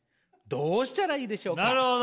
どうしたらいいでしょうか？」。